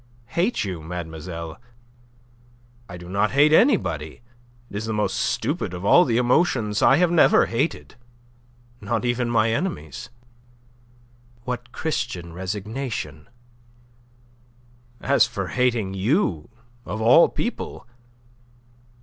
"Hate you, mademoiselle? I do not hate anybody. It is the most stupid of all the emotions. I have never hated not even my enemies." "What Christian resignation!" "As for hating you, of all people!